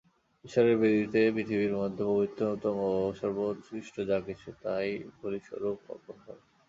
ঈশ্বরের বেদীতে পৃথিবীর মধ্যে পবিত্রতম ও সর্বোৎকৃষ্ট যা কিছু, তাই বলিস্বরূপ অর্পণ কর।